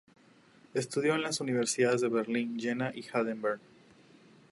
Estudió en las universidades de Berlín, Jena y Heidelberg.